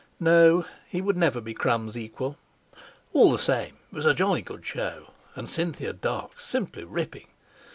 No! he would never be Crum's equal. All the same it was a jolly good show, and Cynthia Dark simply ripping.